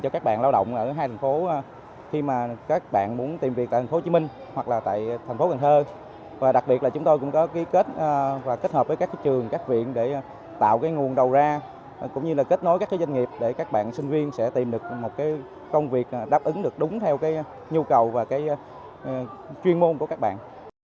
các doanh nghiệp cũng như kết nối các doanh nghiệp để các bạn sinh viên sẽ tìm được công việc đáp ứng đúng theo nhu cầu và chuyên môn của các bạn